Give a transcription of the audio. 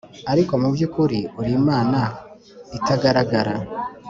ariko mu by’ukuri, uri imana itagaragara,